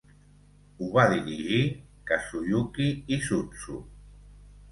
Ho va dirigir Kazuyuki Izutsu.